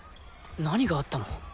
何があったの？